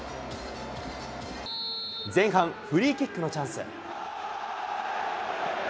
前半、フリーキックのチャンス。